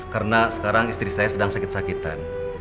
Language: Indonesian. karena sekarang istri saya sedang sakit sakitan